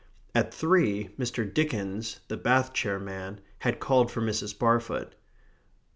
At three Mr. Dickens, the bath chair man, had called for Mrs. Barfoot.